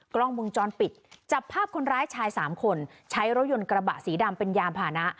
กล้องวงจรปิดจับภาพคนร้ายชายสามคนใช้รถยนต์กระบะสีดำเป็นยานพานะ